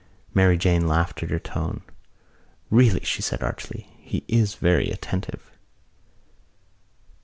Mary Jane laughed at her tone. "Really," she said archly, "he is very attentive."